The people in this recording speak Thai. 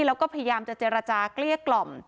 แล้วก็พยายามจะเจรจาเกลี้ยกล่อม